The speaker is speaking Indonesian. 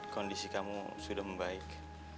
kondisi kamu sudah membaik